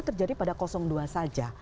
terjadi pada dua saja